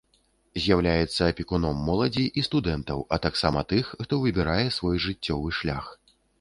З'яўляецца апекуном моладзі і студэнтаў, а таксама тых, хто выбірае свой жыццёвы шлях.